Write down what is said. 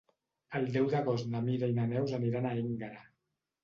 El deu d'agost na Mira i na Neus aniran a Énguera.